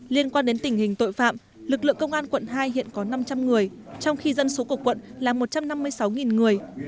liên quan đến tình hình tội phạm lực lượng công an quận hai hiện có năm trăm linh người trong khi dân số của quận là một trăm năm mươi sáu người